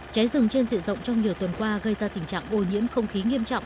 cháy rừng trên diện rộng trong nhiều tuần qua gây ra tình trạng ô nhiễm không khí nghiêm trọng